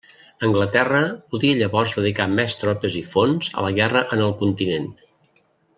Anglaterra podia llavors dedicar més tropes i fons a la guerra en el continent.